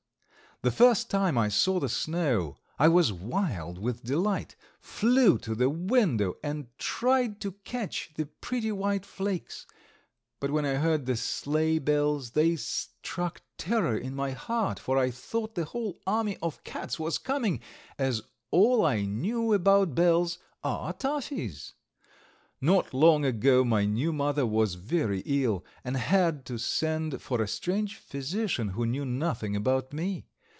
The first time I saw the snow I was wild with delight, flew to the window and tried to catch the pretty white flakes. But when I heard the sleigh bells they struck terror to my heart, for I thought a whole army of cats was coming, as all I knew about bells are Taffy's. Not long ago my new mother was very ill and had to send for a strange physician, who knew nothing about me.